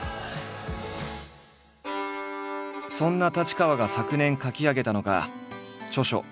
そんな太刀川が昨年書き上げたのが著書